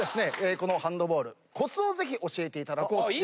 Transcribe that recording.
このハンドボールコツをぜひ教えていただこうと。